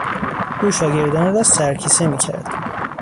او شاگردان را سرکیسه میکرد.